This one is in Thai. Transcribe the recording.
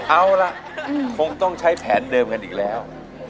เอาล่ะคงต้องใช้แผนเดิมกันอีกแล้ว